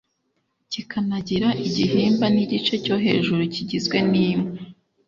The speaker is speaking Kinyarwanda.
kikanagira igihimba n igice cyo hejuru kigizwe n impu